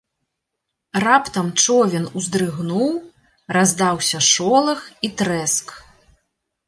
Раптам човен уздрыгнуў, раздаўся шолах і трэск.